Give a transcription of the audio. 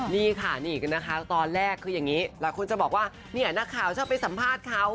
นี่ค่ะนี่นะคะตอนแรกคืออย่างนี้หลายคนจะบอกว่าเนี่ยนักข่าวชอบไปสัมภาษณ์เขา